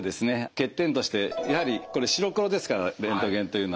欠点としてやはりこれ白黒ですからレントゲンというのは。